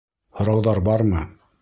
Һорауҙар бармы?